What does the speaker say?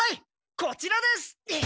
こちらです。